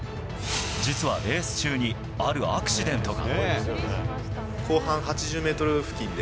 実は、レース中にあるアクシデントが。